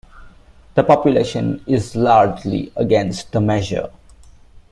The population is largely against the measure.